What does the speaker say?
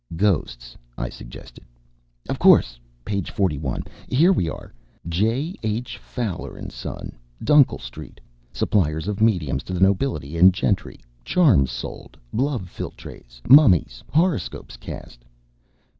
"Ghosts," I suggested. "Of course; page 41. Here we are. 'J. H. Fowler & Son, Dunkel Street, suppliers of mediums to the nobility and gentry; charms sold love philtres mummies horoscopes cast.'